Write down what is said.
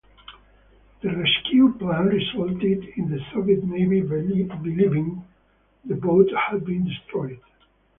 The rescue plan resulted in the Soviet Navy believing the boat had been destroyed.